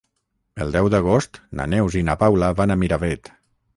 El deu d'agost na Neus i na Paula van a Miravet.